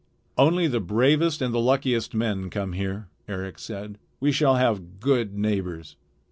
"Only the bravest and the luckiest men come here," Eric said. "We shall have good neighbors."